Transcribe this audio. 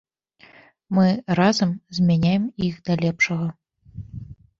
Мы разам змяняем іх да лепшага!